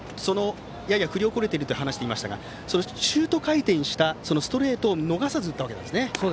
やや振り遅れていると話していましたがシュート回転したストレートを逃さず打ったわけですね。